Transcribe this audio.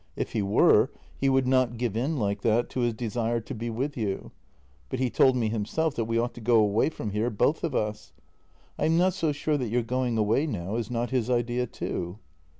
If he were, he would not give in like that to his desire to be with you. But he told me himself that we ought to go away from here, both of us. I am not so sure that your going away now is not his idea too."